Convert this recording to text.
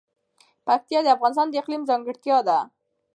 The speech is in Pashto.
پکتیا د افغانستان د اقلیم ځانګړتیا ده.